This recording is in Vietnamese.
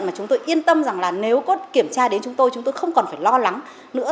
mà chúng tôi yên tâm rằng là nếu có kiểm tra đến chúng tôi chúng tôi không còn phải lo lắng nữa